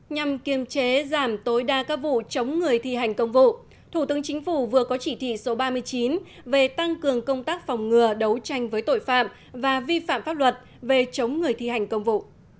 nhằm kiềm chế giảm tối đa các vụ chống người thi hành công vụ thủ tướng chính phủ vừa có chỉ thị số ba mươi chín về tăng cường công tác phòng ngừa đấu tranh với tội phạm và vi phạm pháp luật về chống người thi hành công vụ